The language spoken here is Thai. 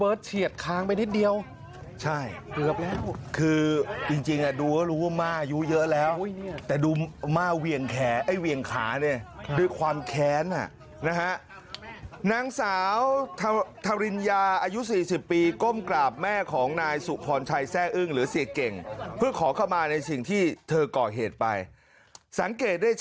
เฉียดค้างไปนิดเดียวใช่เกือบแล้วคือจริงอ่ะดูก็รู้ว่าม่าอายุเยอะแล้วแต่ดูม่าเวียงแขนไอ้เวียงขาเนี่ยด้วยความแค้นอ่ะนะฮะนางสาวทริญญาอายุ๔๐ปีก้มกราบแม่ของนายสุพรชัยแร่อึ้งหรือเสียเก่งเพื่อขอเข้ามาในสิ่งที่เธอก่อเหตุไปสังเกตได้